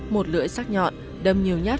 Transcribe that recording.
một lưỡi sắc nhọn đâm nhiều nhát